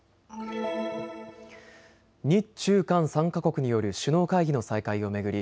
日中韓３か国による首脳会議の再開を巡り